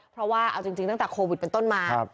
เพราะว่าเอาจริงตั้งแต่โควิดเป็นต้นมา